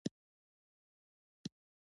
دوي د وړوکوالي نه پۀ نوي ډيلي کښې